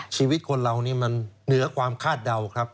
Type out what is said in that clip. ชีวิตคนเรานี่มันเหนือความคาดเดาครับ